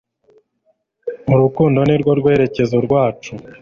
urukundo ni rwo rwerekezo rwacu